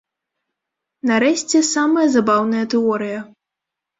Нарэшце, самая забаўная тэорыя.